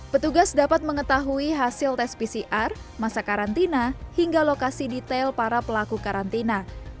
petugas dapat mengetahui hasil tes pcr masa karantina hingga lokasi detail para pelaku karantina